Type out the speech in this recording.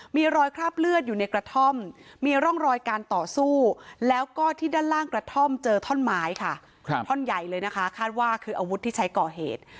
มีรอยคราบเลือดอยู่ในกระท่อมมีร่องรอยการต่อสู้แล้วก็ที่ด้านล่างกระท่อมเจอท่อนไม้ค่ะท่อนใหญ่เลยนะคะคาดว่าคืออาวุธที่ใช้ก่อเหตุ